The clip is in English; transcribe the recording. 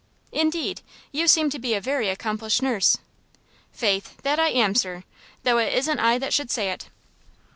"Indeed! You seem to be a very accomplished nurse." "Faith, that I am, sir, though it isn't I that should say it."